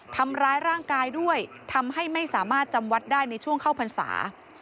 ทำร้ายร่างกายด้วยทำให้ไม่สามารถจำวัดได้ในช่วงเข้าพรรษา